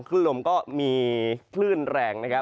คลื่นลมก็มีคลื่นแรง